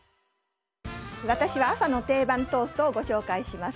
私は朝の定番トーストをご紹介します。